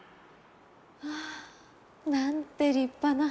まあなんて立派な。